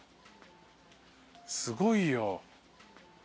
すごいよ。